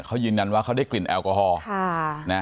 เขายืนยันว่าเขาได้กลิ่นแอลกอฮอล์